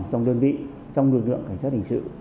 trong đơn vị trong lực lượng cảnh sát hình sự